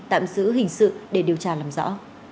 tạm giữ hình sự để điều tra làm rõ